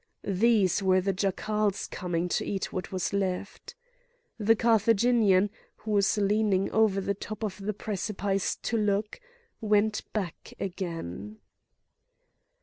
These were the jackals coming to eat what was left. The Carthaginian, who was leaning over the top of the precipice to look, went back again.